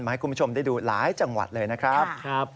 ให้คุณผู้ชมได้ดูหลายจังหวัดเลยนะครับ